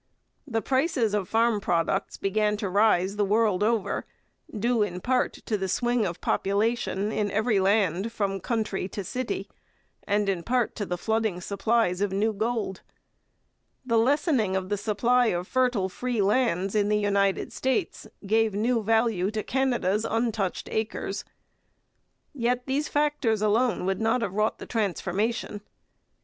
The prices of farm products began to rise the world over, due in part to the swing of population in every land from country to city, and in part to the flooding supplies of new gold. The lessening of the supply of fertile free lands in the United States gave new value to Canada's untouched acres. Yet these factors alone would not have wrought the transformation.